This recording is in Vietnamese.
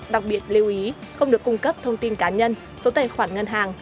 đặc biệt lưu ý không được cung cấp thông tin cá nhân số tài khoản ngân hàng